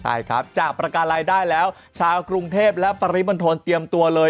ใช่ครับจากประการรายได้แล้วชาวกรุงเทพและปริมณฑลเตรียมตัวเลย